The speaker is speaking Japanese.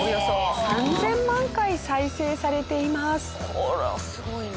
これはすごいな。